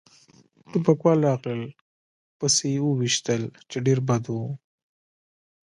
ټوپکوال راغلل پسې و يې ویشتل، چې ډېر بد و.